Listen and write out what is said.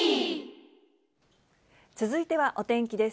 続いてはお天気です。